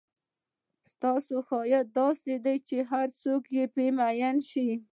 ستا ښایست داسې دی چې هرڅوک به پر مئین شي.